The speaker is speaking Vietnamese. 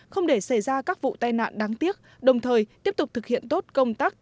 không để xảy ra các vụ tai nạn đáng tiếc đồng thời tiếp tục thực hiện tốt công tác